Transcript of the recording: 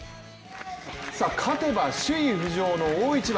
勝てば首位浮上の大一番。